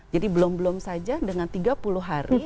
jadi belum belum saja dengan tiga puluh hari